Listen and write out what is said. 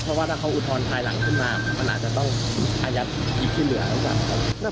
เพราะว่าถ้าเขาอุทธนภาคหลังขึ้นมามันอาจจะต้องอายัดอีกที่เหลือแหละก็